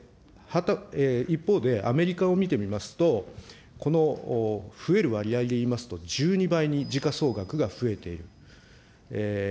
一方で、アメリカを見てみますと、この増える割合で言いますと１２倍に、時価総額が増えている。